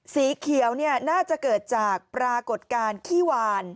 สีเขียวน่าจะเกิดจากปรากฏการณ์ขี้วาน